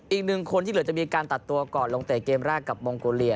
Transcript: อีกหนึ่งคนที่เหลือจะมีการตัดตัวก่อนลงเตะเกมแรกกับมองโกเลีย